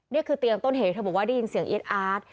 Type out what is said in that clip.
เตียงต้นเหตุเธอบอกว่าได้ยินเสียงเอี๊ยดอาร์ต